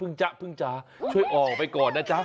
พึ่งจ๊ะพึ่งจ๊ะช่วยออกไปก่อน